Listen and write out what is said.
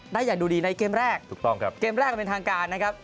ได้อย่างดูดีในเกมแรกถูกต้องครับเกมแรกมันเป็นทางการนะครับ